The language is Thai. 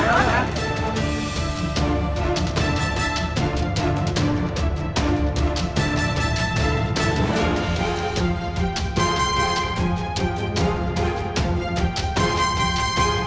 ว่าเค้ามีการใช้สนุกอะไรกับทางผู้หญิงหรือเปล่า